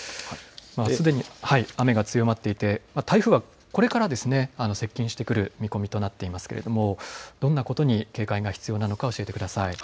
すでに雨が強まっていて台風はこれから接近してくる見込みとなっていますがどんなことに警戒が必要なのか教えてください。